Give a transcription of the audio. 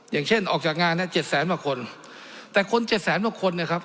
อย่างเช่นออกจากงานเนี้ยเจ็ดแสนกว่าคนแต่คนเจ็ดแสนกว่าคนนะครับ